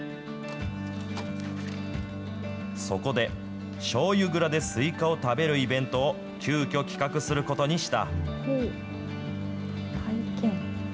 そこで、しょうゆ蔵でスイカを食べるイベントを、急きょ企画することにした。